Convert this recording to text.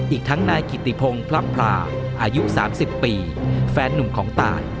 อีกทั้งนายกิติพงศ์พลับพลาอายุ๓๐ปีแฟนนุ่มของตาย